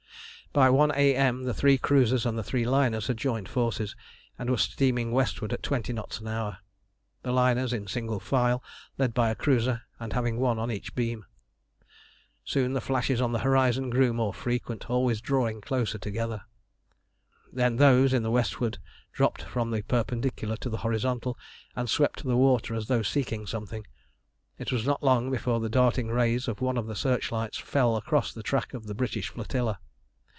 By one A.M. the three cruisers and the three liners had joined forces, and were steaming westward at twenty knots an hour, the liners in single file led by a cruiser, and having one on each beam. Soon the flashes on the horizon grew more frequent, always drawing closer together. Then those in the westward dropped from the perpendicular to the horizontal, and swept the water as though seeking something. It was not long before the darting rays of one of the searchlights fell across the track of the British flotilla.